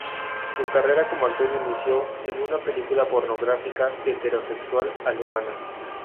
Su carrera como actor inició en una película pornográfica heterosexual alemana.